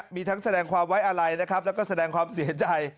มีทั้งแสดงความไว้อะไรนะครับแล้วก็แสดงความเสียใจ